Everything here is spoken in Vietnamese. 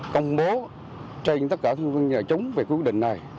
công bố cho tất cả các nhà chống về quyết định này